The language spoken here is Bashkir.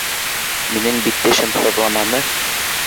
— Минең бит тешем һыҙламаны.